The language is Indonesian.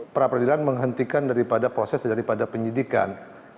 pra peradilan menghentikan daripada proses daripada penyidikan